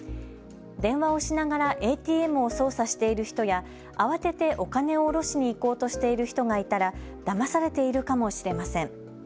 電話をしながらＡＴＭを操作している人や慌ててお金を下ろしにいこうとしている人がいたらだまされているかもしれません。